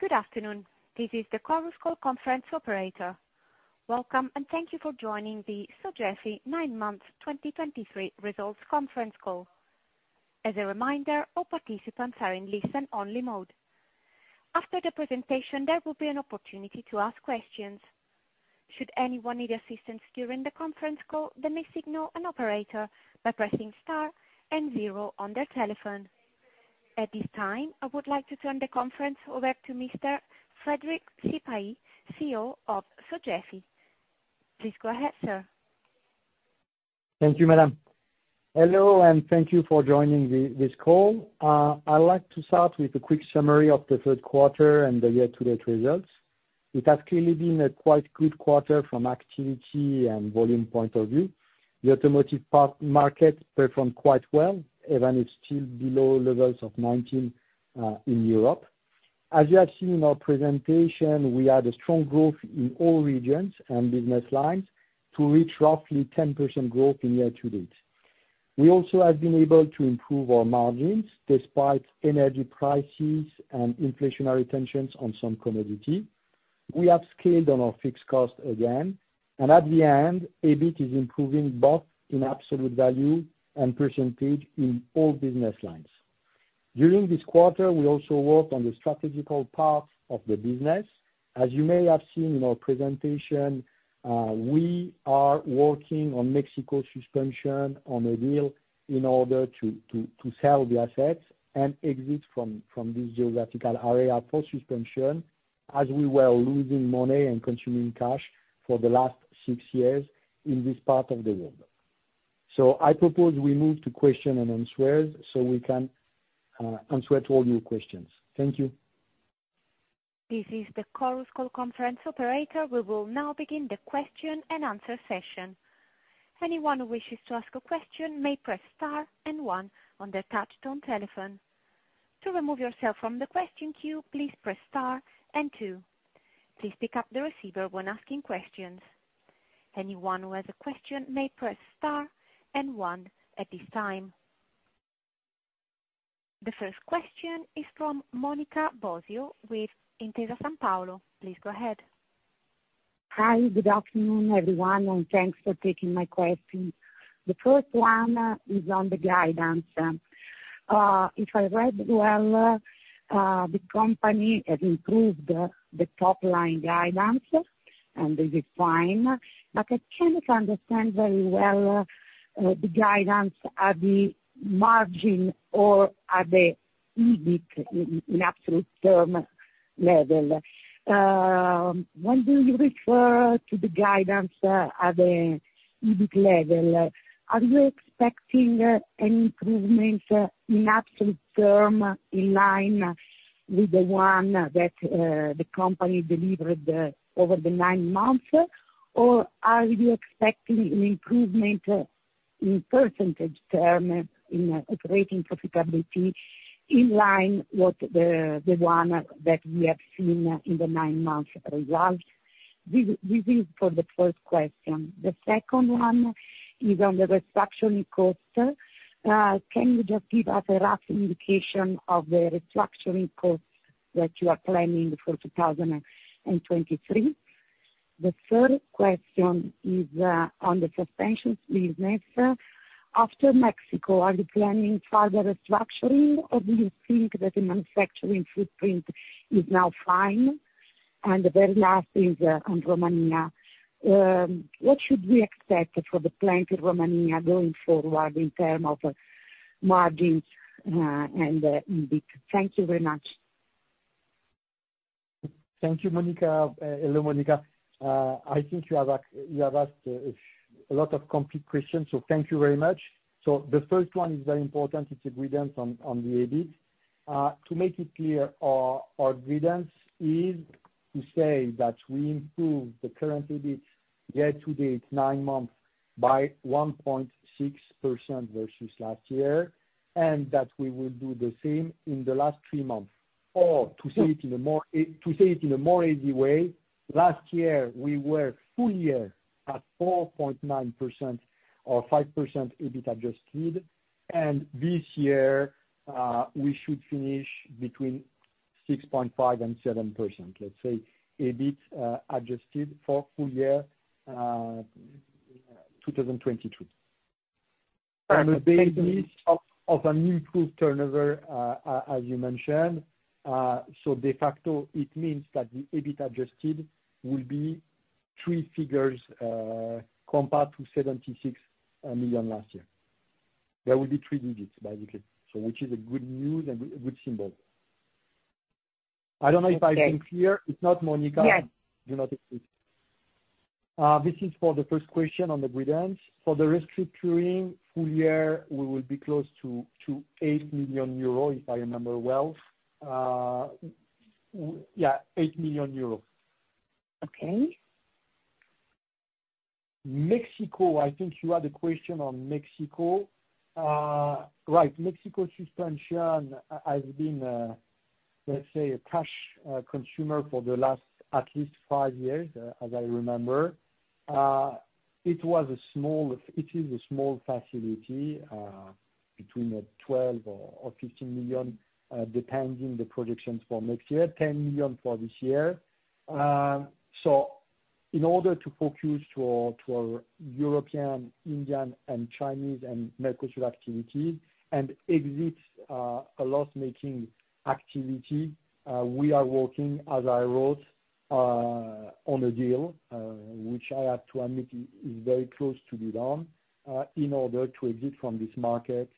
Good afternoon. This is the Chorus Call Conference Operator. Welcome, and thank you for joining the Sogefi Nine Months 2023 Results Conference Call. As a reminder, all participants are in listen-only mode. After the presentation, there will be an opportunity to ask questions. Should anyone need assistance during the conference call, they may signal an operator by pressing star and zero on their telephone. At this time, I would like to turn the conference over to Mr. Frédéric Sipahi, CEO of Sogefi. Please go ahead, sir. Thank you, madam. Hello, and thank you for joining this call. I'd like to start with a quick summary of the third quarter and the year-to-date results. It has clearly been a quite good quarter from activity and volume point of view. The automotive part market performed quite well, even it's still below levels of 2019 in Europe. As you have seen in our presentation, we had a strong growth in all regions and business lines to reach roughly 10% growth in year-to-date. We also have been able to improve our margins despite energy prices and inflationary tensions on some commodity. We have scaled on our fixed cost again, and at the end, EBIT is improving both in absolute value and percentage in all business lines. During this quarter, we also worked on the strategical parts of the business. As you may have seen in our presentation, we are working on Mexico Suspension, on a deal in order to sell the assets and exit from this geographical area for Suspension, as we were losing money and consuming cash for the last six years in this part of the world. So I propose we move to question and answers, so we can answer to all your questions. Thank you. This is the Chorus Call Conference Operator. We will now begin the question and answer session. Anyone who wishes to ask a question may press star and one on their touch tone telephone. To remove yourself from the question queue, please press star and two. Please pick up the receiver when asking questions. Anyone who has a question may press star and one at this time. The first question is from Monica Bosio with Intesa Sanpaolo. Please go ahead. Hi, good afternoon, everyone, and thanks for taking my question. The first one is on the guidance. If I read well, the company has improved the top line guidance, and this is fine, but I can't understand very well the guidance at the margin or at the EBIT in absolute term level. When do you refer to the guidance at the EBIT level, are you expecting any improvements in absolute term, in line with the one that the company delivered over the nine months? Or are you expecting an improvement in percentage term in operating profitability in line with the one that we have seen in the nine-month results? This is for the first question. The second one is on the restructuring cost. Can you just give us a rough indication of the restructuring cost that you are planning for 2023? The third question is on the suspensions business. After Mexico, are you planning further restructuring, or do you think that the manufacturing footprint is now fine? And the very last is on Romania. What should we expect for the plant in Romania going forward in terms of margins, and EBIT? Thank you very much. Thank you, Monica. Hello, Monica. I think you have asked a lot of complete questions, so thank you very much. So the first one is very important, it's a guidance on the EBIT. To make it clear, our guidance is to say that we improved the current EBIT year to date, nine months, by 1.6% versus last year, and that we will do the same in the last three months. Or to say it in a more easy way, last year we were full year at 4.9% or 5% EBIT adjusted, and this year, we should finish between 6.5% and 7%, let's say EBIT adjusted for full year 2022. Okay. Of an improved turnover, as you mentioned. So de facto, it means that the EBIT adjusted will be three figures, compared to 76 million last year. There will be three digits, basically. So which is a good news and good symbol. I don't know if I've been clear. If not, Monica- Yes. Do not hesitate. This is for the first question on the guidance. For the restructuring full year, we will be close to 8 million euro, if I remember well. Yeah, 8 million euro. Okay. Mexico, I think you had a question on Mexico. Right, Mexico Suspension has been, let's say, a cash consumer for the last, at least 5 years, as I remember. It was a small, it is a small facility, between 12 million or 15 million, depending the projections for next year, 10 million for this year. So in order to focus to our, to our European, Indian, and Chinese, and Mercosur activity, and exit a loss-making activity, we are working, as I wrote, on a deal, which I have to admit is very close to be done, in order to exit from this market,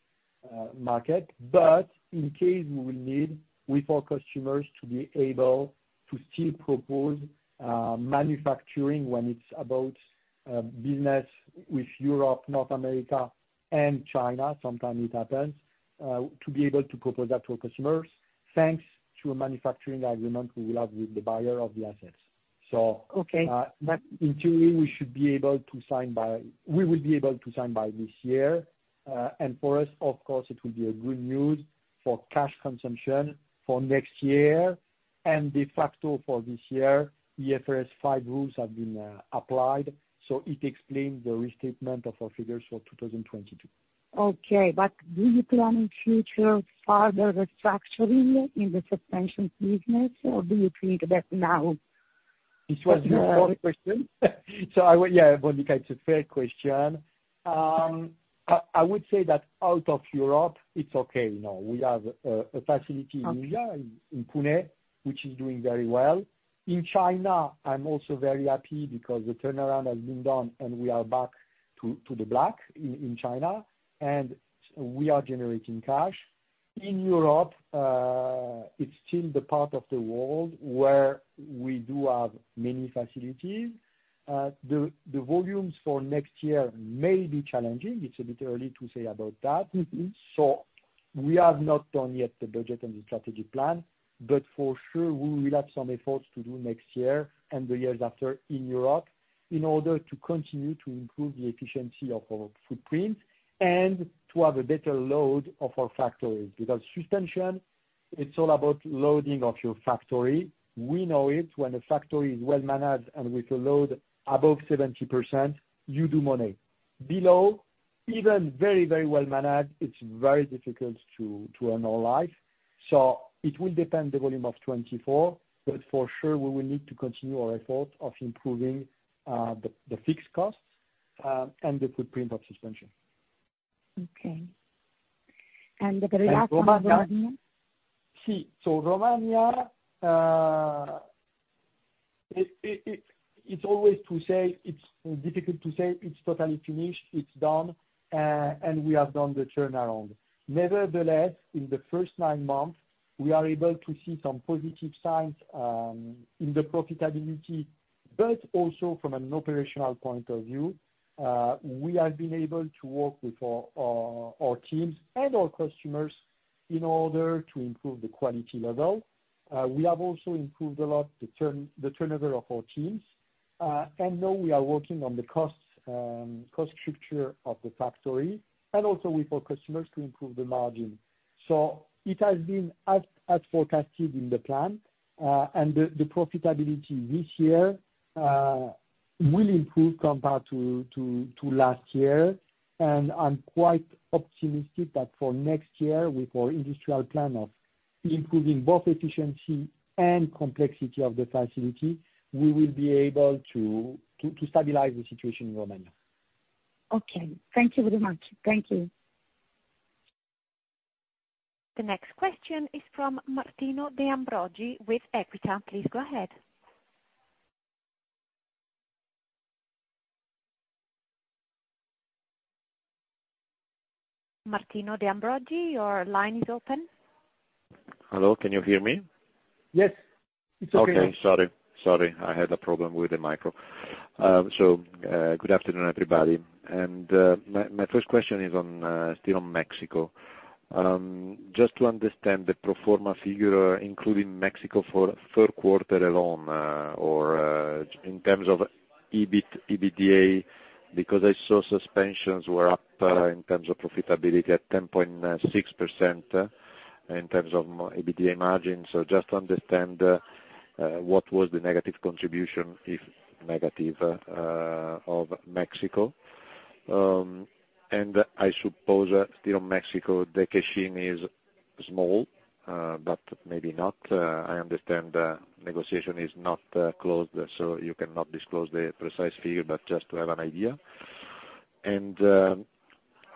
market. But in case we will need with our customers to be able to still propose manufacturing when it's about business with Europe, North America, and China, sometimes it happens to be able to propose that to our customers, thanks to a manufacturing agreement we will have with the buyer of the assets. So Okay. But in theory, we should be able to sign by this year. We will be able to sign by this year. And for us, of course, it will be a good news for cash consumption for next year, and de facto for this year, IFRS 5 rules have been applied, so it explains the restatement of our figures for 2022. Okay, but do you plan in future further restructuring in the suspension business, or do you think that now? This was the fourth question? So I would, yeah, Monica, it's a fair question. I would say that out of Europe, it's okay now. We have a facility- Okay... in India, in Pune, which is doing very well. In China, I'm also very happy because the turnaround has been done, and we are back to the black in China, and we are generating cash. In Europe, it's still the part of the world where we do have many facilities. The volumes for next year may be challenging. It's a bit early to say about that. Mm-hmm. So we have not done yet the budget and the strategy plan, but for sure, we will have some efforts to do next year and the years after in Europe in order to continue to improve the efficiency of our footprint and to have a better load of our factories, because Suspension, it's all about loading of your factory. We know it. When a factory is well managed and with a load above 70%, you do money. Below, even very, very well managed, it's very difficult to earn our life. So it will depend the volume of 2024, but for sure, we will need to continue our effort of improving the fixed costs and the footprint of Suspension. Okay. And the result on Romania? Yes. So Romania, it’s always to say it’s difficult to say it’s totally finished, it’s done, and we have done the turnaround. Nevertheless, in the first nine months, we are able to see some positive signs in the profitability, but also from an operational point of view, we have been able to work with our teams and our customers in order to improve the quality level. We have also improved a lot the turnover of our teams. And now we are working on the costs, cost structure of the factory and also with our customers to improve the margin. So it has been as forecasted in the plan, and the profitability this year will improve compared to last year. I'm quite optimistic that for next year, with our industrial plan of improving both efficiency and complexity of the facility, we will be able to stabilize the situation in Romania. Okay. Thank you very much. Thank you. The next question is from Martino De Ambrogi with Equita. Please go ahead. Martino De Ambrogi, your line is open. Hello, can you hear me? Yes. It's okay. Okay. Sorry, sorry, I had a problem with the micro. So, good afternoon, everybody. And, my, my first question is on, still on Mexico. Just to understand the pro forma figure, including Mexico for third quarter alone, or, in terms of EBIT, EBITDA, because I saw suspensions were up, in terms of profitability at 10.6%, in terms of EBITDA margins. So just to understand, what was the negative contribution, if negative, of Mexico. And I suppose, still Mexico, the cash-in is small, but maybe not. I understand the negotiation is not, closed, so you cannot disclose the precise figure, but just to have an idea. And,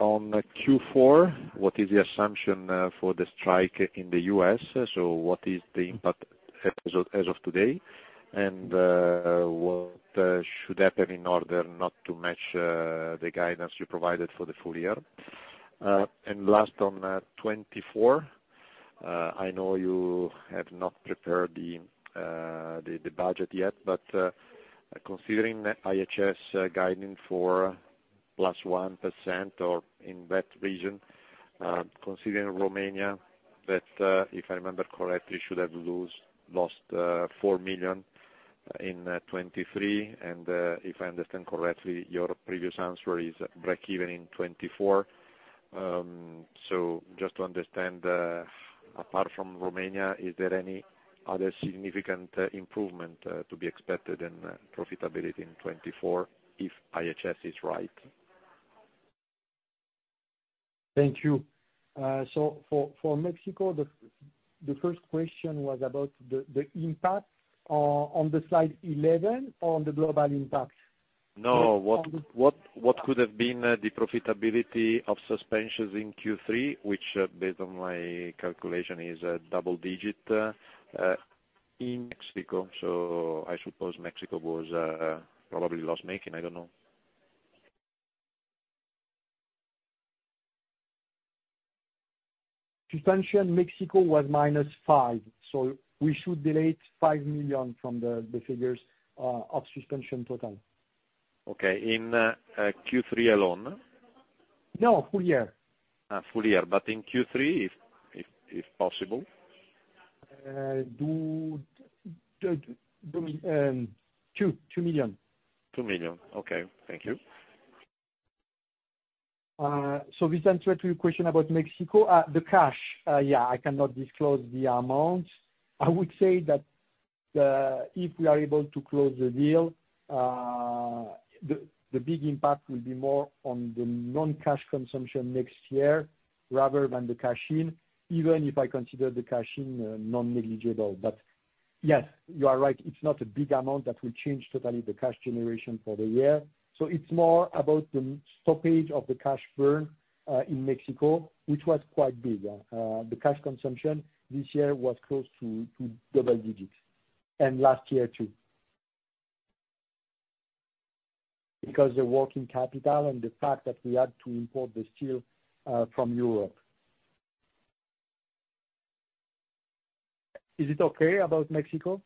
on Q4, what is the assumption, for the strike in the U.S.? So what is the impact as of today? And what should happen in order not to match the guidance you provided for the full year? And last on 2024, I know you have not prepared the budget yet, but considering IHS guidance for +1% or in that region, considering Romania, that if I remember correctly, should have lost 4 million in 2023. And if I understand correctly, your previous answer is breakeven in 2024. So just to understand, apart from Romania, is there any other significant improvement to be expected in profitability in 2024, if IHS is right? Thank you. So for Mexico, the first question was about the impact on slide 11, on the global impact? No. What, what, what could have been the profitability of Suspension in Q3, which, based on my calculation, is a double digit in Mexico, so I suppose Mexico was probably loss-making. I don't know. Suspension Mexico was minus 5, so we should delete 5 million from the figures of suspension total. Okay, in Q3 alone? No, full year. Ah, full year, but in Q3, if possible. the 2.2 million. 2 million. Okay, thank you. So this answer to your question about Mexico, the cash, yeah, I cannot disclose the amount. I would say that, the, if we are able to close the deal, the, the big impact will be more on the non-cash consumption next year, rather than the cash in, even if I consider the cash in, non-negligible. But yes, you are right, it's not a big amount that will change totally the cash generation for the year. So it's more about the stoppage of the cash burn in Mexico, which was quite big. The cash consumption this year was close to double digits, and last year, too. Because the working capital and the fact that we had to import the steel from Europe. Is it okay about Mexico?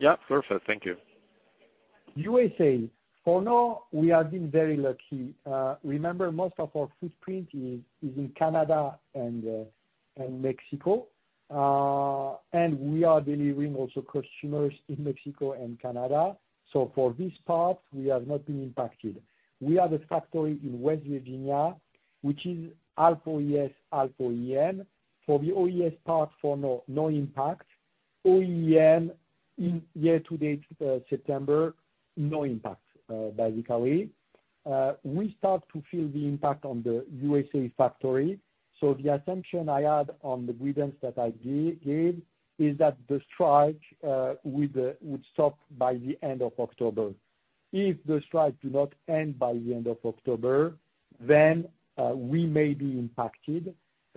Yeah, perfect. Thank you. USA, for now, we have been very lucky. Remember, most of our footprint is in Canada and Mexico. And we are delivering also customers in Mexico and Canada. So for this part, we have not been impacted. We have a factory in West Virginia, which is half OES, half OEM. For the OES part, no impact. OEM, in year-to-date September, no impact, basically. We start to feel the impact on the USA factory, so the assumption I had on the guidance that I gave is that the strike would stop by the end of October. If the strike do not end by the end of October, then we may be impacted,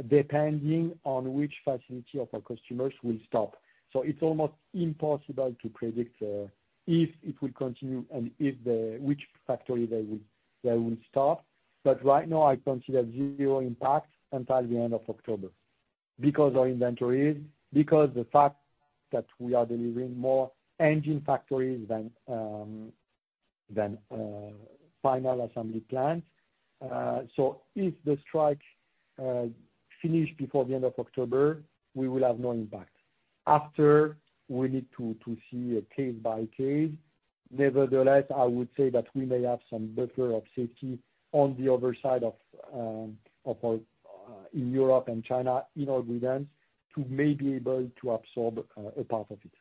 depending on which facility of our customers will stop. So it's almost impossible to predict if it will continue and if which factory they will stop. But right now I consider zero impact until the end of October, because our inventories, because the fact that we are delivering more engine factories than final assembly plants. So if the strike finish before the end of October, we will have no impact. After, we need to see a case-by-case. Nevertheless, I would say that we may have some buffer of safety on the other side of our in Europe and China, in our guidance, to may be able to absorb a part of it.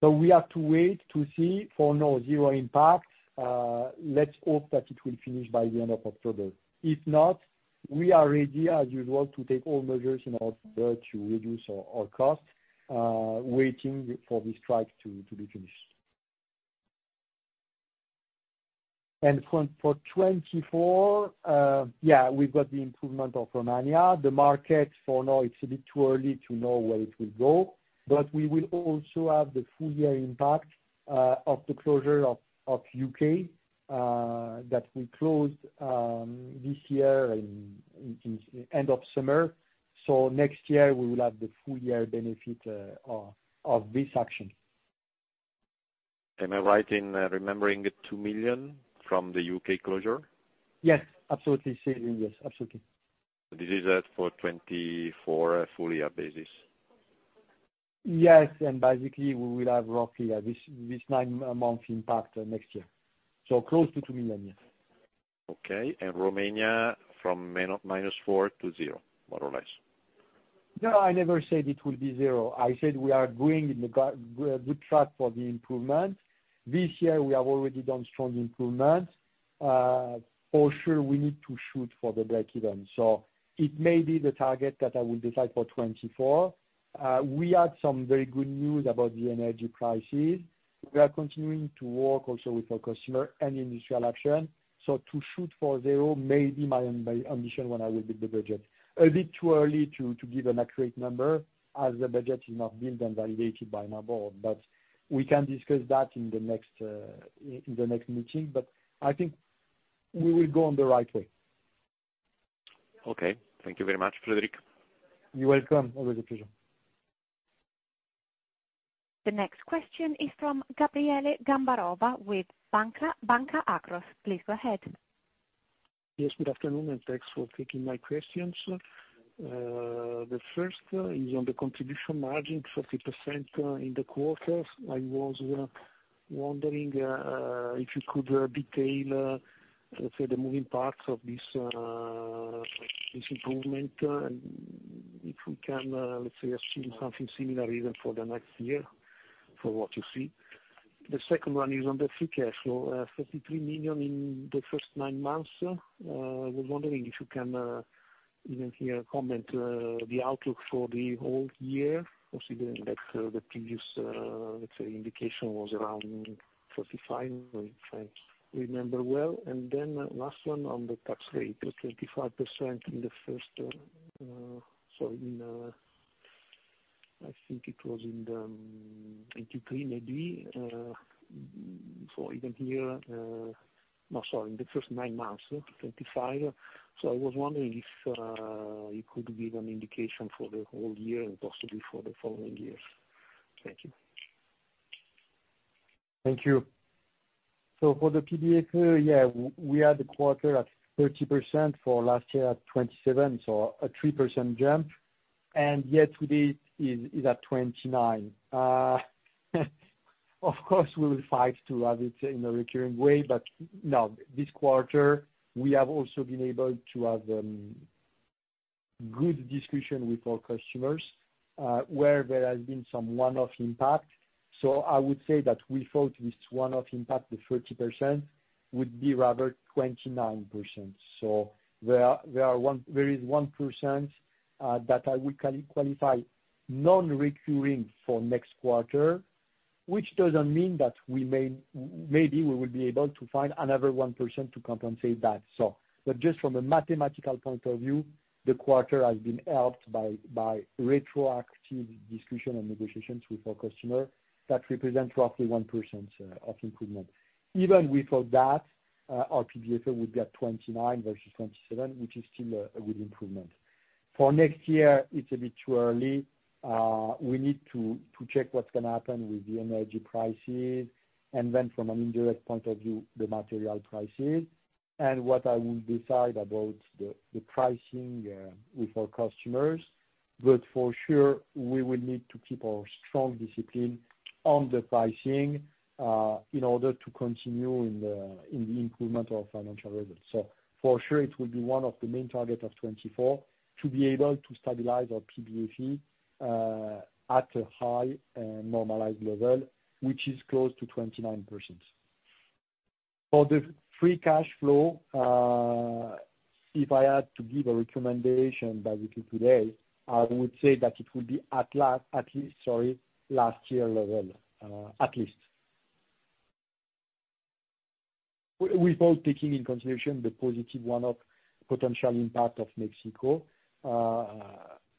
So we have to wait to see for now, zero impact. Let's hope that it will finish by the end of October. If not, we are ready, as usual, to take all measures in order to reduce our, our costs, waiting for the strike to, to be finished. And for 2024, yeah, we've got the improvement of Romania. The markets, for now, it's a bit too early to know where it will go, but we will also have the full year impact of the closure of, of UK that we closed this year in end of summer. So next year we will have the full year benefit of, of this action. Am I right in remembering 2 million from the UK closure? Yes, absolutely. Seeing yes, absolutely. This is it for 2024, full year basis? Yes, and basically, we will have roughly this nine-month impact next year. So close to 2 million, yes. Okay, and Romania from -4 to 0, more or less? No, I never said it will be zero. I said we are going in the good track for the improvement. This year we have already done strong improvement. For sure, we need to shoot for the breakeven, so it may be the target that I will decide for 2024. We had some very good news about the energy prices. We are continuing to work also with our customer and industrial action, so to shoot for zero may be my ambition when I will build the budget. A bit too early to give an accurate number, as the budget is not built and validated by my board, but we can discuss that in the next meeting, but I think we will go on the right way. Okay. Thank you very much, Frédéric. You're welcome. Always a pleasure. The next question is from Gabriele Gambarova with Banca Akros. Please go ahead. Yes, good afternoon, and thanks for taking my questions. The first is on the contribution margin, 40% in the quarter. I was wondering if you could detail, let's say, the moving parts of this improvement, and if we can, let's say, assume something similar even for the next year, from what you see. The second one is on the free cash flow. 53 million in the first nine months. I was wondering if you can, even here, comment, the outlook for the whole year, considering that the previous, let's say, indication was around 45 million, if I remember well. Last one on the tax rate, 25% in the first, sorry, in, I think it was in 2023, maybe, so even here,... No, sorry, in the first nine months, 2025. I was wondering if you could give an indication for the whole year and possibly for the following years. Thank you. Thank you. So for the PBFA, yeah, we had the quarter at 30%, for last year at 27%, so a 3% jump, and yet today is at 29%. Of course, we will fight to have it in a recurring way, but now, this quarter, we have also been able to have good discussion with our customers, where there has been some one-off impact. So I would say that we thought this one-off impact, the 30%, would be rather 29%. So there is 1%, that I would qualify non-recurring for next quarter, which doesn't mean that maybe we will be able to find another 1% to compensate that. But just from a mathematical point of view, the quarter has been helped by retroactive discussion and negotiations with our customer that represent roughly 1% of improvement. Even without that, our PBFA would be at 29 versus 27, which is still a good improvement. For next year, it's a bit too early. We need to check what's gonna happen with the energy prices, and then from an indirect point of view, the material prices, and what I will decide about the pricing with our customers. But for sure, we will need to keep our strong discipline on the pricing in order to continue in the improvement of financial results. For sure, it will be one of the main target of 2024, to be able to stabilize our Contribution Margin at a high, normalized level, which is close to 29%. For the free cash flow, if I had to give a recommendation that we do today, I would say that it would be at least last year level, at least. Without taking in consideration the positive one-off potential impact of Mexico,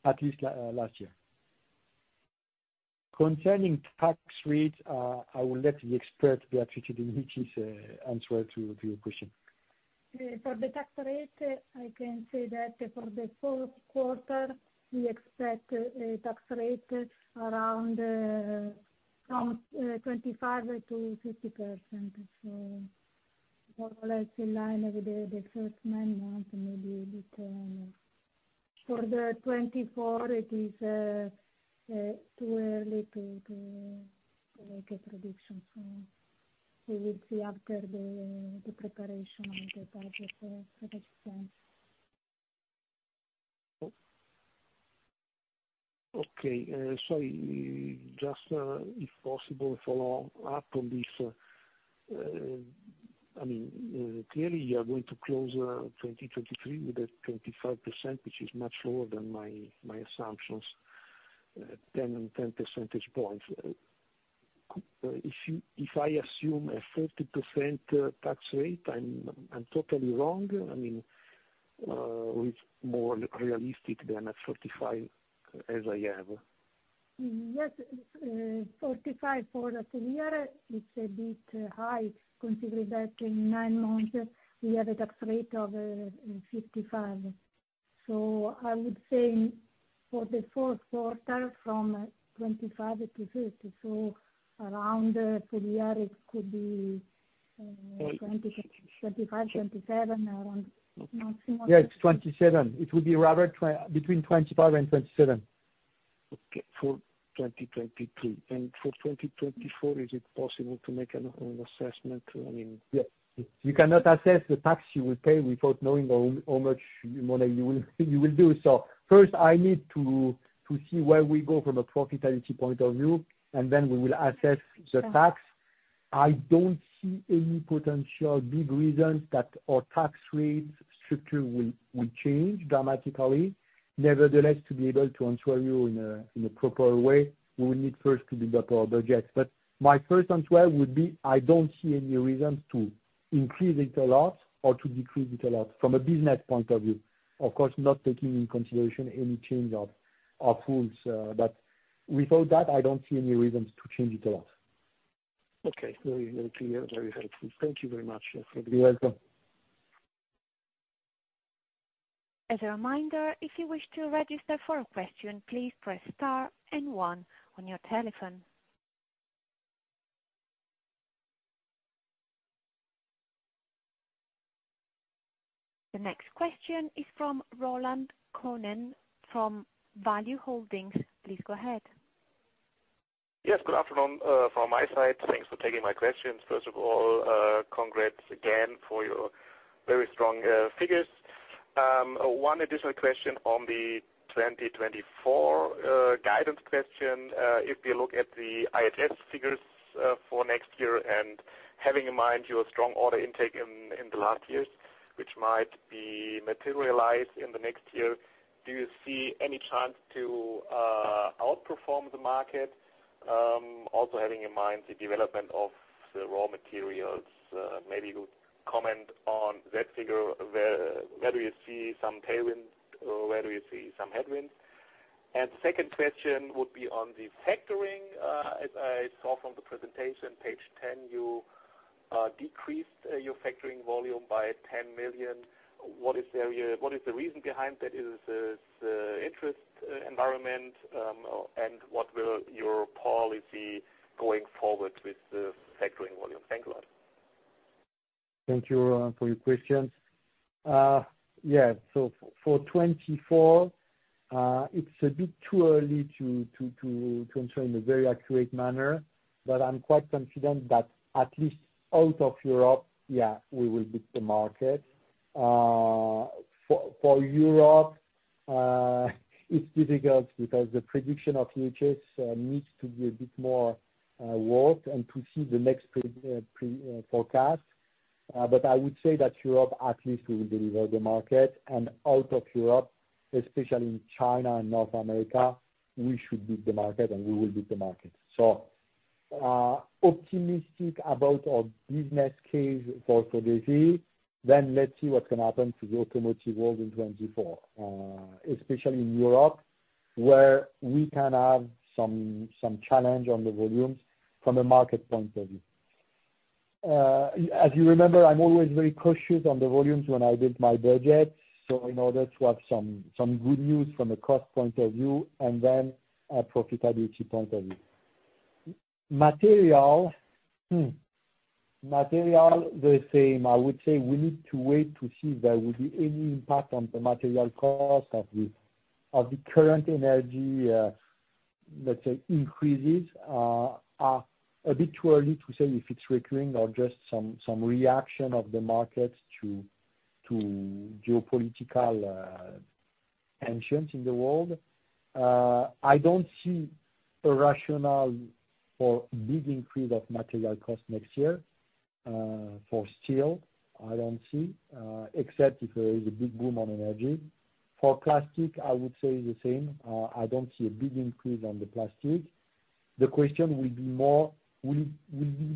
at least last year. Concerning tax rates, I will let the expert, Maria Beatrice De Minicis, answer to your question. For the tax rate, I can say that for the fourth quarter, we expect a tax rate around 25%-50%. So more or less in line with the first nine months, maybe a bit more. For 2024, it is too early to make a prediction, so we will see after the preparation and the target for next time. Oh. Okay, sorry, just, if possible, follow up on this. I mean, clearly you are going to close 2023 with a 25%, which is much lower than my, my assumptions, 10 and 10 percentage points. If you, if I assume a 30% tax rate, I'm, I'm totally wrong? I mean, it's more realistic than a 45%, as I have. Yes, 45 for the full year, it's a bit high, considering that in nine months we have a tax rate of 55%. So I would say for the fourth quarter, from 25%-50%. So around, full year, it could be 20%-25%, 27%, around maximum- Yes, 27. It would be rather between 25 and 27. Okay, for 2023. For 2024, is it possible to make an assessment, I mean? Yes. You cannot assess the tax you will pay without knowing how much money you will do. So first I need to see where we go from a profitability point of view, and then we will assess the tax. I don't see any potential big reasons that our tax rates structure will change dramatically. Nevertheless, to be able to answer you in a proper way, we will need first to build up our budgets. But my first answer would be, I don't see any reasons to increase it a lot or to decrease it a lot from a business point of view. Of course, not taking into consideration any change of rules, but without that, I don't see any reasons to change it a lot. Okay. Very, very clear. Very helpful. Thank you very much. You're welcome. As a reminder, if you wish to register for a question, please press star and one on your telephone. The next question is from Roland Konen from Value-Holdings. Please go ahead. Yes, good afternoon, from my side. Thanks for taking my questions. First of all, congrats again for your very strong figures. One additional question on the 2024 guidance question. If you look at the IHS figures for next year, and having in mind your strong order intake in, in the last years, which might be materialized in the next year, do you see any chance to outperform the market? Also having in mind the development of the raw materials, maybe you comment on that figure, where, where do you see some tailwind, where do you see some headwinds? And second question would be on the factoring. As I saw from the presentation, page 10, you decreased your factoring volume by 10 million. What is the area-- what is the reason behind that? Is it the interest environment? And what will your policy going forward with the factoring volume? Thanks a lot. Thank you, Roland, for your questions. Yeah, so for 2024, it's a bit too early to answer in a very accurate manner, but I'm quite confident that at least out of Europe, yeah, we will beat the market. For Europe, it's difficult because the prediction of IHS needs to do a bit more work and to see the next pre forecast. But I would say that Europe, at least we will deliver the market, and out of Europe, especially in China and North America, we should beat the market, and we will beat the market. So, optimistic about our business case for this year, then let's see what's gonna happen to the automotive world in 2024, especially in Europe, where we can have some challenge on the volumes from a market point of view. As you remember, I'm always very cautious on the volumes when I build my budget, so in order to have some good news from a cost point of view, and then a profitability point of view. Material. Material, the same. I would say we need to wait to see if there will be any impact on the material cost of the current energy, let's say, increases are a bit too early to say if it's recurring or just some reaction of the market to geopolitical tensions in the world. I don't see a rational or big increase of material cost next year. For steel, I don't see, except if there is a big boom on energy. For plastic, I would say the same. I don't see a big increase on the plastic. The question will be more, will be,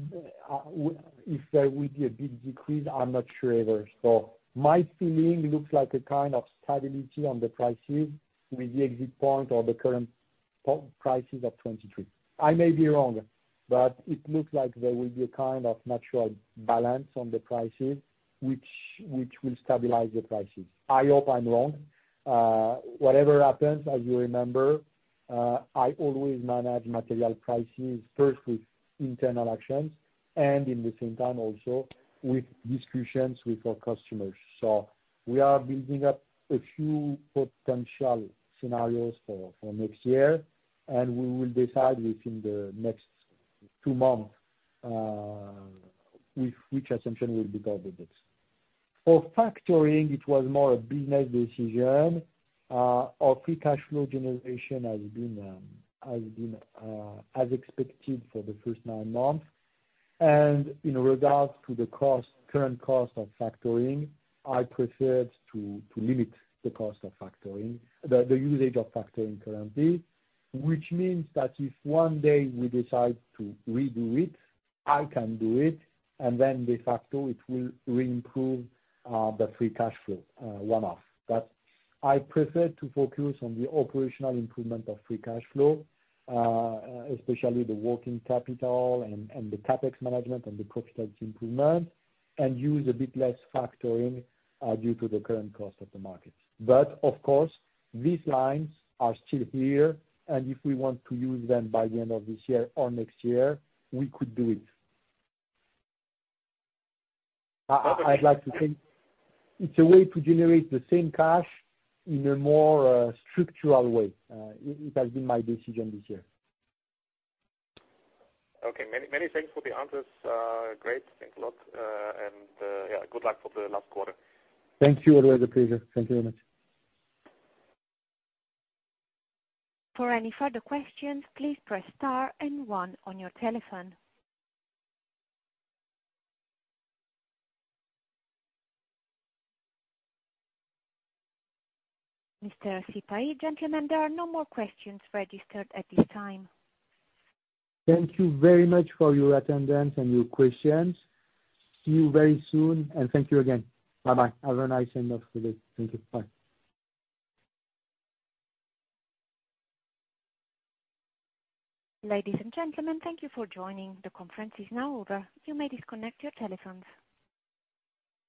if there will be a big decrease, I'm not sure either. So my feeling, looks like a kind of stability on the prices, with the exit point or the current prices of 2023. I may be wrong, but it looks like there will be a kind of natural balance on the prices, which will stabilize the prices. I hope I'm wrong. Whatever happens, as you remember, I always manage material prices first with internal actions, and in the same time, also, with discussions with our customers. We are building up a few potential scenarios for next year, and we will decide within the next 2 months, which assumption will be better with this. For factoring, it was more a business decision. Our free cash flow generation has been as expected for the first 9 months. In regards to the cost, current cost of factoring, I preferred to limit the cost of factoring, the usage of factoring currently. Which means that if one day we decide to redo it, I can do it, and then de facto it will re-improve the free cash flow one-off. But I prefer to focus on the operational improvement of free cash flow, especially the working capital and the CapEx management and the profitability improvement, and use a bit less factoring, due to the current cost of the market. But, of course, these lines are still here, and if we want to use them by the end of this year or next year, we could do it. I'd like to think it's a way to generate the same cash in a more structural way. It has been my decision this year. Okay. Many, many thanks for the answers. Great. Thanks a lot, and yeah, good luck for the last quarter. Thank you. Always a pleasure. Thank you very much. For any further questions, please press star and one on your telephone. Mr. Sipahi, gentlemen, there are no more questions registered at this time. Thank you very much for your attendance and your questions. See you very soon, and thank you again. Bye-bye. Have a nice end of the day. Thank you. Bye. Ladies and gentlemen, thank you for joining. The conference is now over. You may disconnect your telephones.